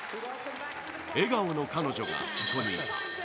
笑顔の彼女がそこにいた。